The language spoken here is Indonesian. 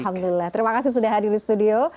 alhamdulillah terima kasih sudah hadir di studio